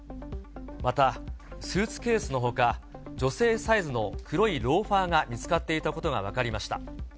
また、スーツケースのほか、女性サイズの黒いローファーが見つかっていたことが分かりました。